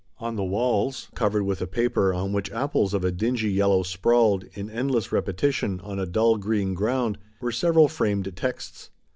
On the walls, covered with a paper on which apples of a dingy yellow sprawled, in endless repe tition, on a dull green ground, were several framed texts.